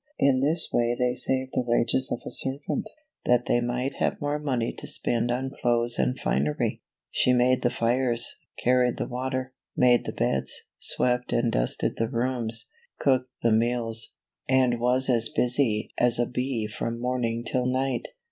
In this way they saved the wages of a servant, that they might have more money to spend on clothes and finery. She 21 CINDERELLA , OR THE LITTLE GLASS SLIPPER. made the fires, carried the water, made the beds, swept and dusted the rooms, cooked the meals, and was as busy as a be from morning till night.